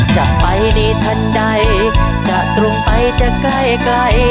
จะไปในทันใดจะตรงไปจะใกล้ใกล้